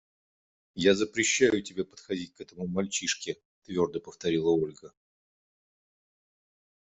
Я запрещаю тебе подходить к этому мальчишке, – твердо повторила Ольга.